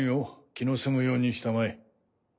気の済むようにしたまえ。